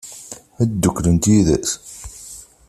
Ad dduklent yid-s?